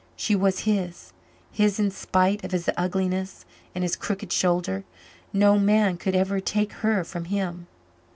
She was his his in spite of his ugliness and his crooked shoulder. No man could ever take her from him.